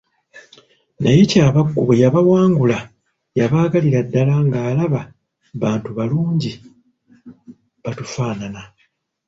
Naye Kyabaggu bwe yabawangula yabaagalira ddala ng'alaba bantu balungi batufaanana.